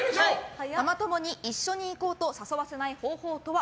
ママ友に一緒に行こうと誘わせない方法とは？